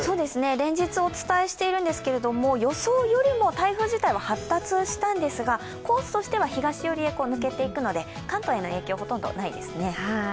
連日お伝えしているんですけれども、予想よりも台風自体は発達したんですが、コースとしては東寄りに抜けていくので関東への影響はほとんどないですね。